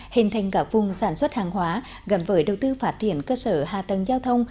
hình thành cả vùng sản xuất hàng hóa gần với đầu tư phát triển cơ sở hạ tầng giao thông